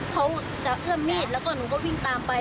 เขาจะเอื้อมมีดแล้วก็หนูก็วิ่งตามไป